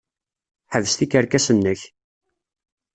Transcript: Ḥbes tikerkas-nnek!